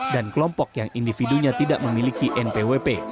dan kelompok yang individunya tidak memiliki npwp